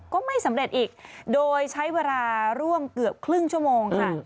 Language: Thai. ก็ไม่สำเร็จอีกโดยใช้เวลาร่วมเกือบครึ่งชั่วโมงค่ะ